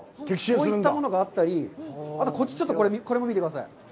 こういったものがあったり、こっち、ちょっとこれも見てください。